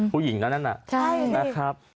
ผู้หญิงนั่นอ่ะแล้วครับใช่